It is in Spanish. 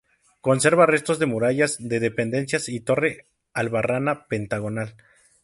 Conserva restos de murallas, de dependencias y torre albarrana pentagonal.